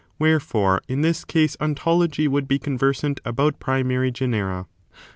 Wherefore, in this case ontology would be conversant about primary genera. 5.